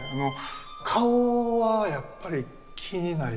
顔はやっぱり気になりましたね。